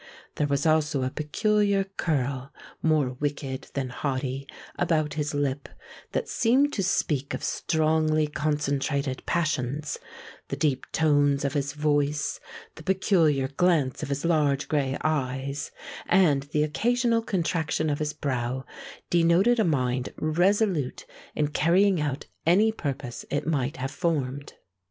There was also a peculiar curl—more wicked than haughty—about his lip, that seemed to speak of strongly concentrated passions: the deep tones of his voice, the peculiar glance of his large grey eyes, and the occasional contraction of his brow denoted a mind resolute in carrying out any purpose it might have formed.